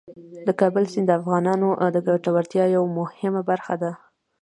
د کابل سیند د افغانانو د ګټورتیا یوه مهمه برخه ده.